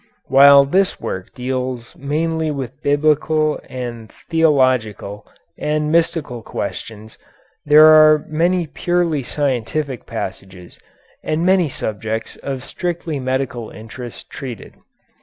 While this work deals mainly with Biblical and theological and mystical questions, there are many purely scientific passages and many subjects of strictly medical interest treated.